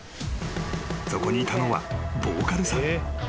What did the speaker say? ［そこにいたのはボーカルさん］